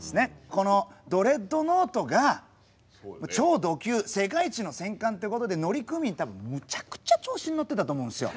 このドレッドノートが超ド級世界一の戦艦ってことで乗組員多分むちゃくちゃ調子に乗ってたと思うんですよ。